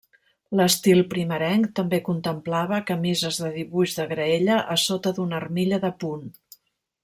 L'estil primerenc també contemplava camises de dibuix de graella a sota d'una armilla de punt.